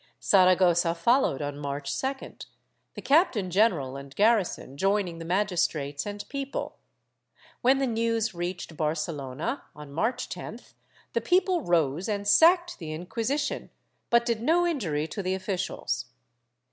Saragossa fol lowed on March 2d, the captain general and garrison joining the magistrates and people. When the news reached Barcelona, on March 10th the people rose and sacked the Inquisition, but did no injury to the officials.